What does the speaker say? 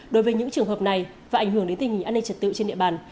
đối với những trường hợp này và ảnh hưởng đến tình hình an ninh trật tự trên địa bàn